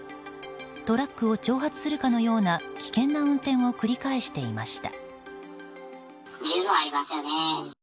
トラックを挑発するかのような危険な運転を繰り返していました。